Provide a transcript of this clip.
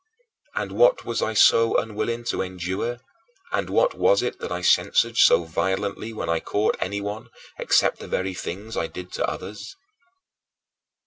And what was I so unwilling to endure, and what was it that I censured so violently when I caught anyone, except the very things I did to others?